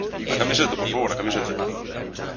A camiseta, por favor, a camiseta.